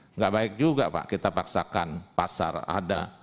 tidak baik juga pak kita paksakan pasar ada